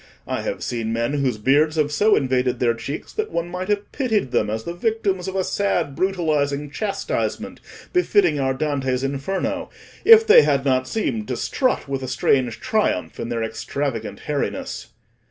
I have seen men whose beards have so invaded their cheeks, that one might have pitied them as the victims of a sad, brutalising chastisement befitting our Dante's Inferno, if they had not seemed to strut with a strange triumph in their extravagant hairiness."